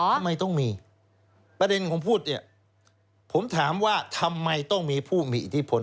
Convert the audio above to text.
ทำไมต้องมีประเด็นของพูดเนี่ยผมถามว่าทำไมต้องมีผู้มีอิทธิพล